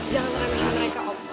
jangan remeh remeh mereka om